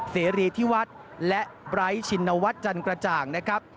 เสรีที่วัดและไบร์ทชินวัฒน์จันกระจ่างนะครับ